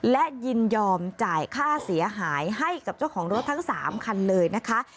และยินยอมจ่ายค่าเสียหายให้กับเจ้าของรถทั้ง๓คันเลยนะคะ